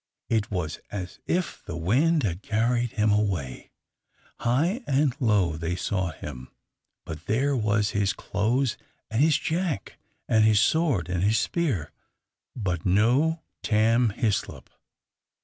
It was as if the wind had carried him away. High and low they sought him, but there was his clothes and his jack,* and his sword and his spear, but no Tam Hislop.